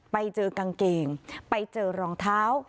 ไปเจอกางเกงไปเจอรองเท้า